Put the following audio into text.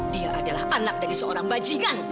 dia adalah anak dari seorang bajingan